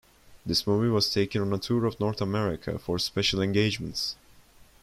This movie was taken on a tour of North America for special engagements.